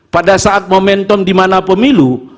pada saat momentum di mana pemilu